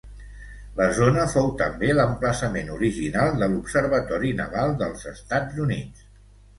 La zona fou també l'emplaçament original de l'Observatori Naval dels Estats Units.